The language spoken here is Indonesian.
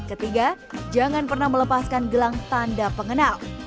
ketiga jangan pernah melepaskan gelang tanda pengenal